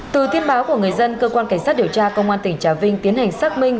từ tiên báo của người dân cơ quan cảnh sát điều tra công an tỉnh trà vinh tiến hành xác minh